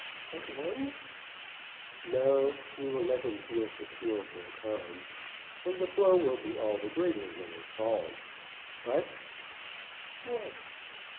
"At once?" "No, we will let him feel secure for a time, and the blow will be all the greater when it falls. But " "What?"